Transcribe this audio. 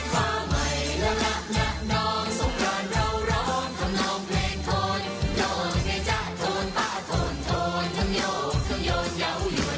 สวัสดีค่ะ